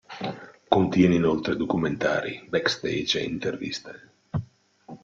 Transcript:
Contiene inoltre documentari, backstage e interviste.